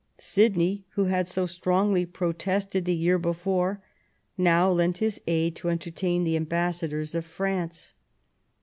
Sidney, who had so strongly protested the year before, now lent his aid to entertain the ambassadors of France.